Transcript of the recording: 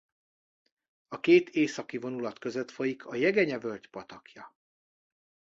A két északi vonulat között folyik a Jegenye-völgy patakja.